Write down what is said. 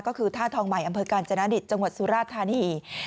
ก็คือท่าทองใหม่อำเภอกาญจนาดิตจังหวัดสุราธานี